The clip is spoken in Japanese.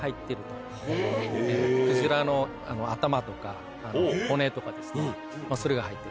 クジラの頭とか骨とかそれが入ってて。